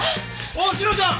おう志乃ちゃん！